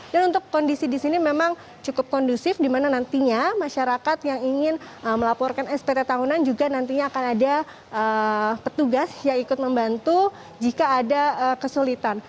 dan untuk kondisi disini memang cukup kondusif dimana nantinya masyarakat yang ingin melaporkan spt tahunan juga nantinya akan ada petugas yang ikut membantu jika ada kesulitan